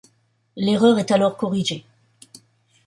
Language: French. L’erreur est alors corrigée.